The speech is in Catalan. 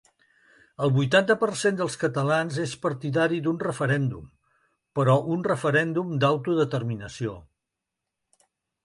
El vuitanta per cent dels catalans és partidari d’un referèndum, però un referèndum d’autodeterminació.